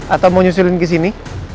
atau mau nyusulin ke sini